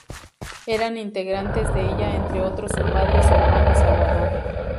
Eran integrantes de ella entre otros su padre y su hermano salvador.